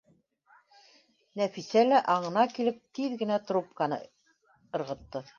Нәфисә лә, аңына килеп, тиҙ генә трубканы ырғытты